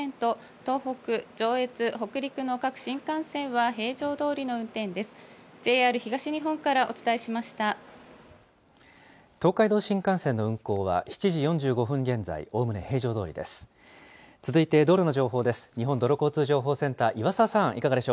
東海道新幹線の運行は７時４５分現在、おおむね平常どおりです。